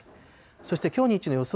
そしてきょう日中の予想